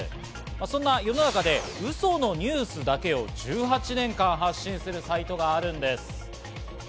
そんな世の中でウソのニュースだけを１８年間発信するサイトがあるんです。